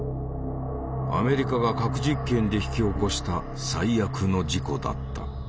アメリカが核実験で引き起こした最悪の事故だった。